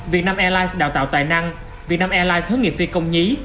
việt nam airlines đào tạo tài năng việt nam airlines hướng nghiệp phi công nhí